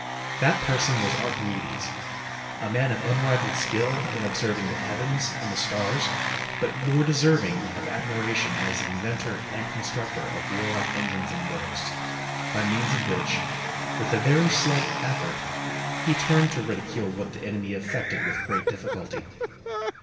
That person was Archimedes, a man of unrivaled skiU in observing the heavens and the stars, 349 ROME but more deserving of admiration as the inventor and constructor of warlike engines and works, by means of which, with a very shght effort, he turned to ridicule what the enemy effected with great difficulty.